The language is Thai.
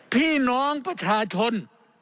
พี่น้องประชาชน